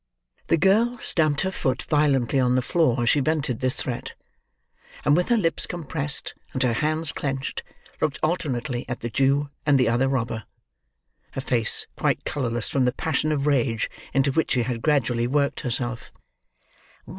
The girl stamped her foot violently on the floor as she vented this threat; and with her lips compressed, and her hands clenched, looked alternately at the Jew and the other robber: her face quite colourless from the passion of rage into which she had gradually worked herself.